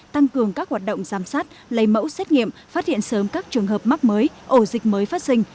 tăng cường các hoạt động giám sát lấy mẫu xét nghiệm phát hiện sớm các trường hợp mắc mới ổ dịch mới phát sinh